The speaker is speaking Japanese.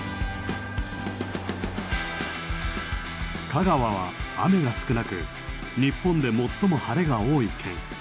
香川は雨が少なく日本で最も晴れが多い県。